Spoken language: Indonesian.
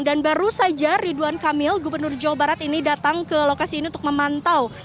dan baru saja ridwan kamil gubernur jawa barat ini datang ke lokasi ini untuk memantau